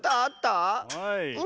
はい。